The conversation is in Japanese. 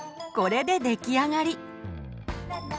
これで出来上がり！